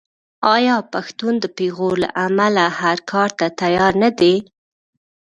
آیا پښتون د پېغور له امله هر کار ته تیار نه دی؟